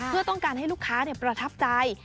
เพื่อต้องการให้ลูกค้าประทับใจ